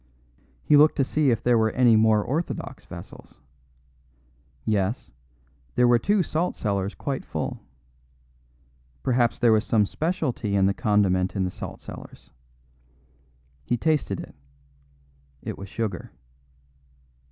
He looked to see if there were any more orthodox vessels. Yes; there were two salt cellars quite full. Perhaps there was some speciality in the condiment in the salt cellars. He tasted it; it was sugar.